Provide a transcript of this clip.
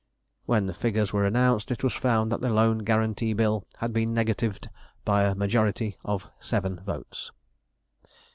When the figures were announced, it was found that the Loan Guarantee Bill had been negatived by a majority of seven votes.